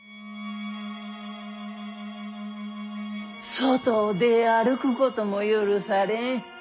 外を出歩くことも許されん。